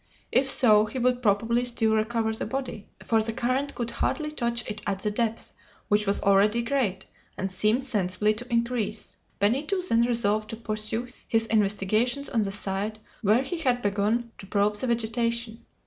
If so, he would probably still recover the body, for the current could hardly touch it at the depth, which was already great, and seemed sensibly to increase. Benito then resolved to pursue his investigations on the side where he had begun to probe the vegetation.